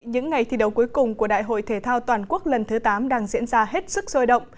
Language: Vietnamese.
những ngày thi đấu cuối cùng của đại hội thể thao toàn quốc lần thứ tám đang diễn ra hết sức sôi động